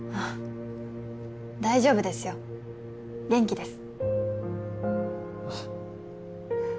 大丈夫ですよ元気です